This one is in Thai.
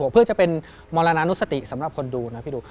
เพื่อจะเป็นมรณานุสติสำหรับคนดูนะพี่ดู